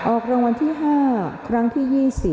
ออกรางวัลที่๕ครั้งที่๒๐